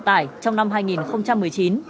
bộ giao thông vận tải trong năm hai nghìn một mươi chín